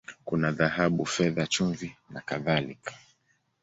Kuna dhahabu, fedha, chumvi, na kadhalika.